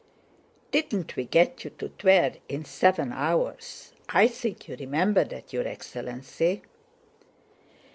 "Didn't we get you to Tver in seven hours? I think you remember that, your excellency?"